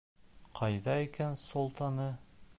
Ҡайҙа икән Солтаны?